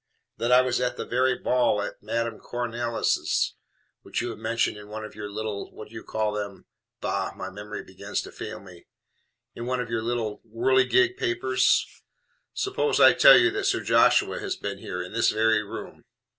that I was at that very ball at Madame Cornelis', which you have mentioned in one of your little what do you call them? bah! my memory begins to fail me in one of your little Whirligig Papers? Suppose I tell you that Sir Joshua has been here, in this very room?"